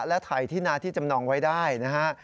และถ่ายที่นาที่จำนองไว้ได้นะฮะ